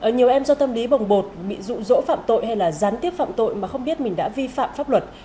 nhiều em do tâm lý bồng bột bị rụ rỗ phạm tội hay là gián tiếp phạm tội mà không biết mình đã vi phạm pháp luật